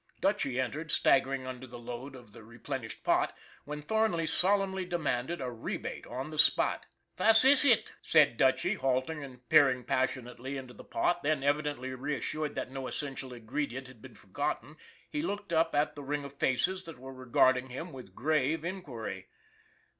Dutchy entered, staggering under the load of the re plenished pot, when Thornley solemnly demanded a rebate on the spot. :< Vat iss it ?" said Dutchy, halting and peering anxiously into the pot ; then, evidently reassured that no essential ingredient had been forgotten, he looked up at the ring of faces that were regarding him with grave inquiry.